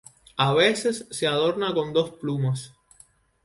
A veces, se adorna con dos plumas.